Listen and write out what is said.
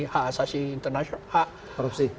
ha asasi internasional